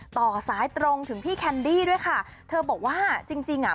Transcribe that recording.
ต่อสายตรงถึงพี่แคนดี้ด้วยค่ะเธอบอกว่าจริงจริงอ่ะ